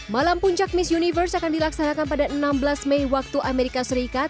malam puncak miss universe akan dilaksanakan pada enam belas mei waktu amerika serikat